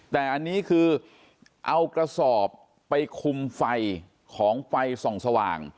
แต่อันนี้คือเอากระสอบไปคุมไฟของไฟส่องสว่าง